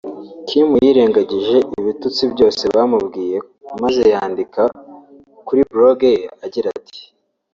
Kim yirengagije ibitutsi byose bamubwiye maze yandika kuri blog ye agira ati